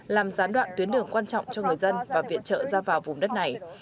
làm gián đoạn tuyến đường quan trọng cho người dân và viện trợ ra vào vùng đất này